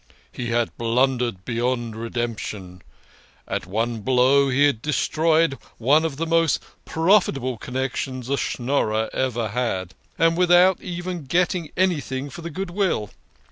He had blundered beyond re demption. At one blow he had destroyed one of the most profitable connections a Schnorrer ever had, and without even getting anything for the goodwill.